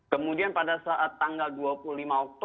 kemudian pada saat tanggal dua puluh lima oktober